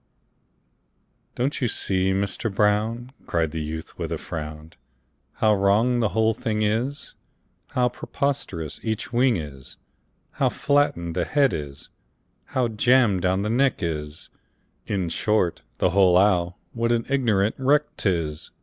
"Don't you see, Mister Brown," Cried the youth, with a frown, "How wrong the whole thing is, How preposterous each wing is, How flattened the head is, how jammed down the neck is In short, the whole owl, what an ignorant wreck 't is!